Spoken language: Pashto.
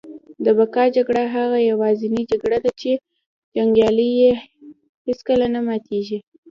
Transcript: د بقا جګړه هغه یوازینۍ جګړه ده چي جنګیالي یې هیڅکله نه ماتیږي